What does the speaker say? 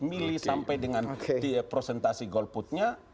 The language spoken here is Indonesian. milih sampai dengan di prosentasi golputnya